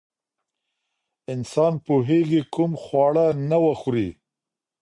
انسان پوهېږي کوم خواړه نه وخوري.